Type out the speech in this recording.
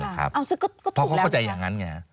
เพราะเขาเข้าใจอย่างนั้นไง